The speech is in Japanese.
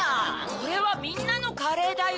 これはみんなのカレーだよ！